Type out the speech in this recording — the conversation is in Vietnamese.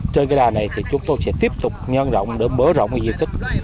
trên cái đà này thì chúng tôi sẽ tiếp tục nhân rộng để bớ rộng diện tích